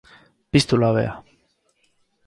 Piztu labea.